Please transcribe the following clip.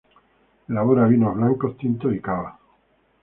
Elabora vinos blancos, tintos y cavas.